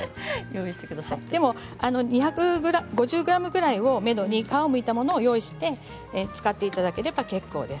でも２５０ｇぐらいをめどに皮をむいたものを用意して使っていただければ結構です。